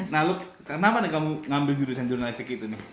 nah lu kenapa nih kamu ngambil jurusan jurnalistik itu nih